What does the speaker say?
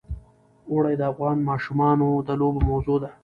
اوړي د افغان ماشومانو د لوبو موضوع ده.